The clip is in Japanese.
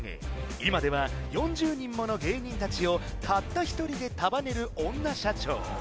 今では４０人もの芸人たちをたった一人で束ねる女社長